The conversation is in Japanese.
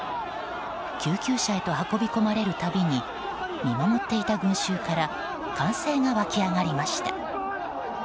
救急車へと運び込まれるたびに見守っていた群衆から歓声がわき上がりました。